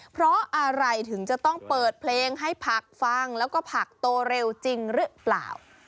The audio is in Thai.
เพราะอะไรถึงจะต้องเปิดเพลงให้ผักฟังแล้วก็ผักโตเร็วจริงหรือเปล่า